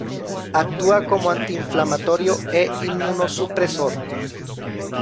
Actúa como antiinflamatorio e inmunosupresor.